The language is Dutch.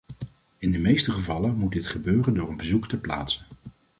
In de meeste gevallen moet dit gebeuren door een bezoek ter plaatse.